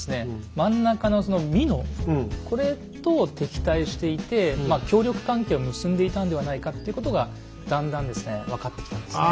真ん中の美濃これと敵対していてまあ協力関係を結んでいたんではないかっていうことがだんだんですね分かってきたんですね。